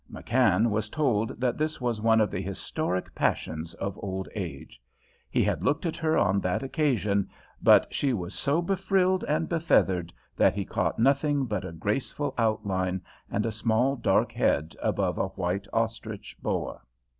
McKann was told that this was one of the historic passions of old age. He had looked at her on that occasion, but she was so befrilled and befeathered that he caught nothing but a graceful outline and a small, dark head above a white ostrich boa.